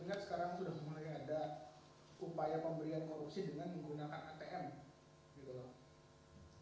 enggak sekarang sudah semuanya yang ada upaya pemberian korupsi dengan menggunakan atm gitu loh